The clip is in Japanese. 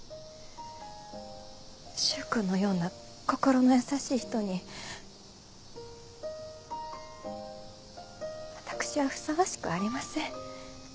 柊君のような心の優しい人に私はふさわしくありません。